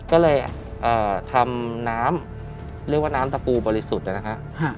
ก็เลยทำน้ำเรียกว่าน้ำตะปูบริสุทธิ์นะฮะ